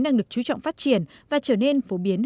đang được chú trọng phát triển và trở nên phổ biến